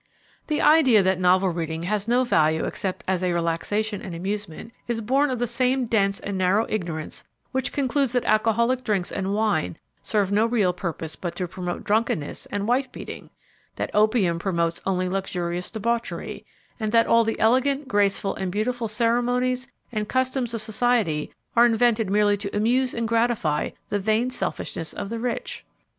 The idea that novel reading has no value except as a relaxation and amusement is born of the same dense and narrow ignorance which concludes that alcoholic drinks and wine serve no real purpose but to promote drunkenness and wife beating; that opium promotes only luxurious debauchery, and that all the elegant, graceful and beautiful ceremonies and customs of society are invented merely to amuse and gratify the vain selfishness of the rich.